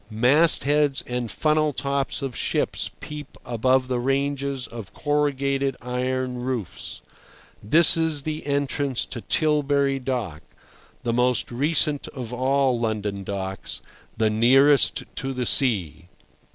Mast heads and funnel tops of ships peep above the ranges of corrugated iron roofs. This is the entrance to Tilbury Dock, the most recent of all London docks, the nearest to the sea.